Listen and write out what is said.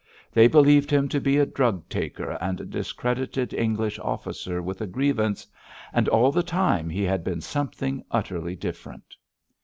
They believed him to be a drug taker and a discredited English officer with a grievance. And all the time he had been something utterly different.